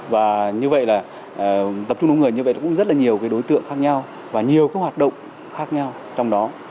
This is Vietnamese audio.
và như vậy là tập trung đông người như vậy cũng rất là nhiều đối tượng khác nhau và nhiều cái hoạt động khác nhau trong đó